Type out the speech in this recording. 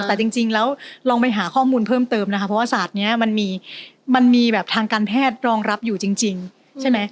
แต่จริงแล้วลองไปหาข้อมูลเพิ่มเติมนะคะเพราะว่าศาสตร์นี้มันมีแบบทางการแพทย์รองรับอยู่จริงใช่ไหม